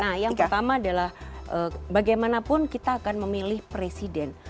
nah yang pertama adalah bagaimanapun kita akan memilih presiden